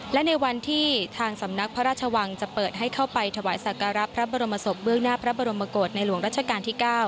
และในวันที่ทางสำนักพระราชวังจะเปิดให้เข้าไปถวายสักการะพระบรมศพเบื้องหน้าพระบรมกฏในหลวงรัชกาลที่๙